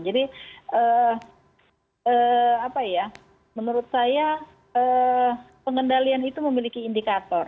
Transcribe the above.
jadi apa ya menurut saya pengendalian itu memiliki indikator